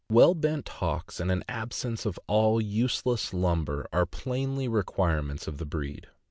Well bent hocks and an absence of all useless lumber are plainly requirements of the breed.